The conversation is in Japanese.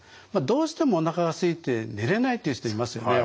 どうしてもおなかがすいて寝れないっていう人いますよね。